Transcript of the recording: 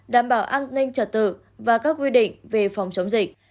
đảm bảo an ninh trật tự và các quy định về phòng chống dịch